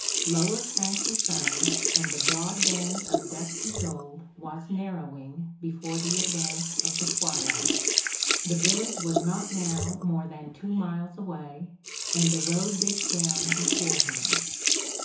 Lower sank the sun and the broad band of dusky gold was narrowing before the advance of the twilight. The village was not now more than two miles away, and the road dipped down before him.